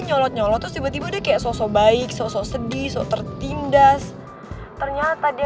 nyolot nyolot terus tiba tiba dia kayak sok sok baik sok sok sedih sok tertindas ternyata dia